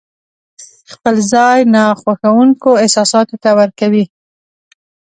خپل ځای ناخوښونکو احساساتو ته ورکوي.